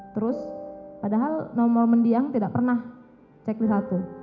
terus padahal nomor mendiang tidak pernah checklist satu